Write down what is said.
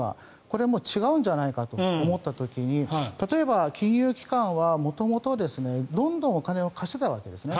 これ、もう違うんじゃないかと思った時に例えば、金融機関は元々、どんどんお金を貸していたわけですね。